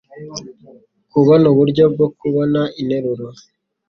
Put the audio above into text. kubona uburyo bwo kubona interuro